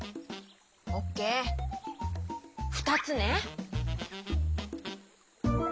オッケーふたつね。